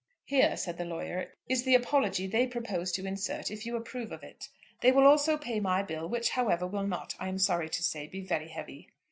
"Here," said the lawyer, "is the apology they propose to insert if you approve of it. They will also pay my bill, which, however, will not, I am sorry to say, be very heavy."